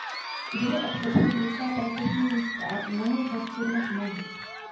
Ženy obsazují nejistá pracovní místa mnohem častěji než muži.